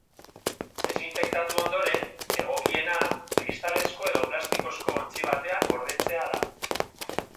Desinfektatu ondoren, egokiena, kristalezko edo plastikozko ontzi batean gordetzea da.